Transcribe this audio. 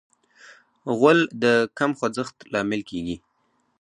غول د کم خوځښت لامل کېږي.